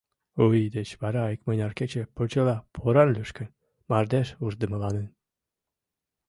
У ий деч вара икмыняр кече почела поран лӱшкен, мардеж ушдымыланен.